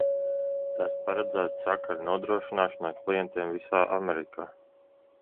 Tas paredzēts sakaru nodrošināšanai klientiem visā Amerikā.